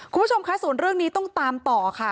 คุณผู้ชมคะส่วนเรื่องนี้ต้องตามต่อค่ะ